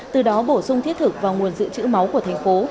từ đó bổ sung thiết thực vào nguồn dự trữ máu của thành phố